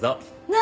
何？